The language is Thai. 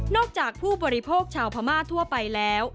จากผู้บริโภคชาวพม่าทั่วไปแล้ว